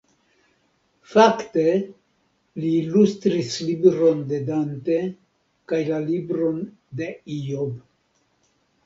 Fakte, li ilustris libron de Dante kaj la libron de Ijob.